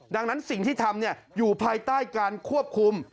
ดังนั้นสิ่งที่ทำอยู่ภายใต้การควบคุม